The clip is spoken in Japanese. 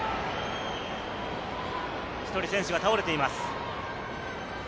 １人、選手が倒れています。